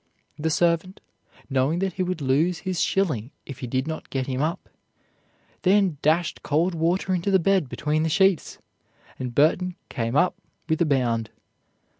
The servant, knowing that he would lose his shilling if he did not get him up, then dashed cold water into the bed between the sheets, and Burton came out with a bound.